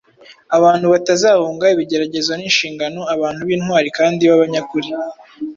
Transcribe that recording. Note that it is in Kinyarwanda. abantu batazahunga ibigeragezo n’inshingano; abantu b’intwari kandi b’abanyakuri;